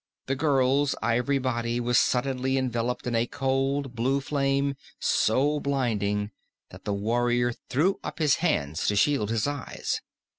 The girl's ivory body was suddenly enveloped in a cold blue flame so blinding that the warrior threw up his hands to shield his eyes.